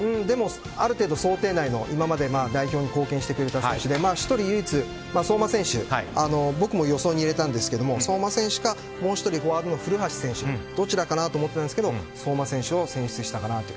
ある程度想定内の今まで代表に貢献してくれて１人、唯一相馬選手は僕も予想に入れたんですけど相馬選手か、もう１人フォワードの古橋選手のどちらかなと思ったんですけど相馬選手を選出したと。